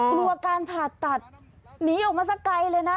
กลัวการผ่าตัดหนีออกมาสักไกลเลยนะ